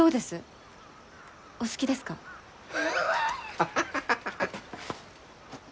ハハハハハハッ。